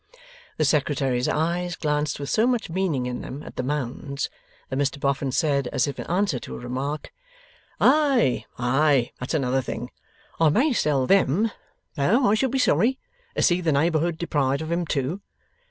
The Secretary's eyes glanced with so much meaning in them at the Mounds, that Mr Boffin said, as if in answer to a remark: 'Ay, ay, that's another thing. I may sell THEM, though I should be sorry to see the neighbourhood deprived of 'em too.